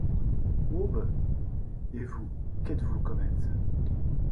Aube ? Et vous, qu’êtes-vous, comètes